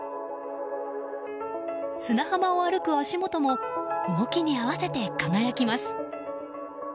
砂浜を歩く足元も動きに合わせ輝きます。